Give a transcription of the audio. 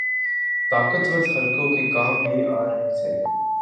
طاقتور حلقوں کے کام بھی آرہے تھے۔